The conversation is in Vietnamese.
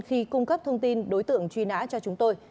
khi cung cấp thông tin đối tượng truy nã cho chúng tôi